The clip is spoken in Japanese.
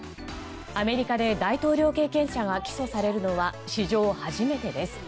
アメリカで大統領経験者が起訴されるのは史上初めてです。